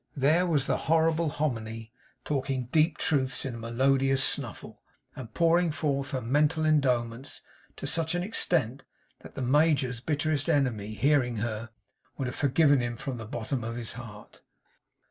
There was the horrible Hominy talking deep truths in a melodious snuffle, and pouring forth her mental endowments to such an extent that the Major's bitterest enemy, hearing her, would have forgiven him from the bottom of his heart.